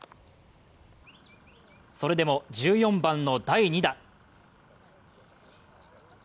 それでも１４番の第２打。